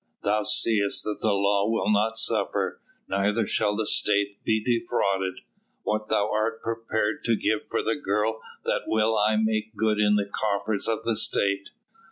Thou seest that the law will not suffer, neither shall the State be defrauded. What thou art prepared to give for the girl that will I make good in the coffers of the State.